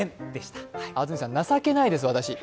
安住さん、情けないです、私。